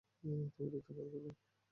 তুমি ঢুকতে পারবে না?